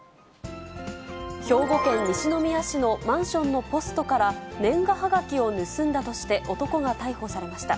兵庫県西宮市のマンションのポストから、年賀はがきを盗んだとして男が逮捕されました。